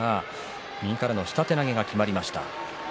右からの下手投げがきまりました。